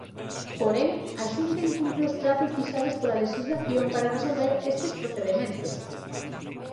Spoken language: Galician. Porén, a Xunta incumpre os prazos fixados pola lexislación para resolver estes procedementos.